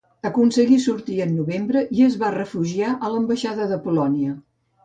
Aconseguí sortir en novembre i es va refugiar a l'ambaixada de Polònia.